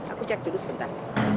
aku cek tidur sebentar